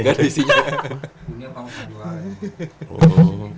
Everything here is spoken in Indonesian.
punya kamu satu lagi